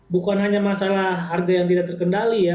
bukan hanya masalah harga yang tidak terkendali ya